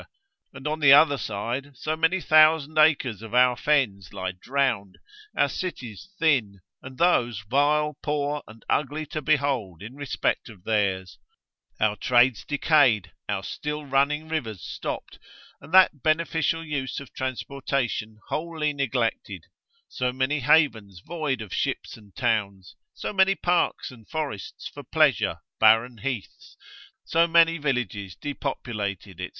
and on the other side so many thousand acres of our fens lie drowned, our cities thin, and those vile, poor, and ugly to behold in respect of theirs, our trades decayed, our still running rivers stopped, and that beneficial use of transportation, wholly neglected, so many havens void of ships and towns, so many parks and forests for pleasure, barren heaths, so many villages depopulated, &c.